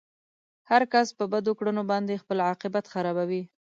هر کس په بدو کړنو باندې خپل عاقبت خرابوي.